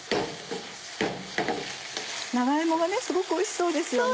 長芋がすごくおいしそうですよね。